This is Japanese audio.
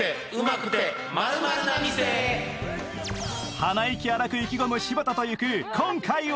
鼻息荒く意気込む柴田と行く今回は